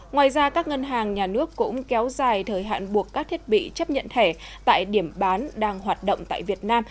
ngoài ra các ngân hàng nhà nước cũng kéo dài thời hạn buộc các thiết bị chấp nhận thẻ tại điểm bán đang hoạt động tại việt nam